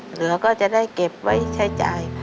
เหลือก็จะได้เก็บไว้ใช้จ่าย